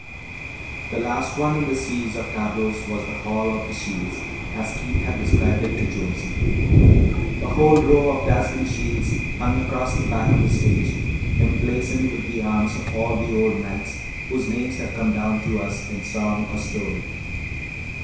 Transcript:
The last one in this series of tableaux was the Hall of the Shields, as Keith had described it to Jonesy. A whole row of dazzling shields hung across the back of the stage, emblazoned with the arms of all the old knights whose names have come down to us in song or story.